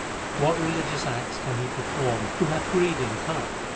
What religious acts can he perform who hath greed in his heart